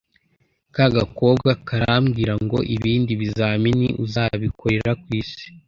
ka gakobwa karambwira ngo ibindi bizamini uzabikorera ku isi